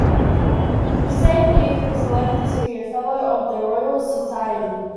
The same year he was elected to be a Fellow of the Royal Society.